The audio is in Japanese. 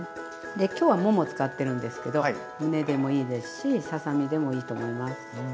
で今日はもも使ってるんですけどむねでもいいですしささみでもいいと思います。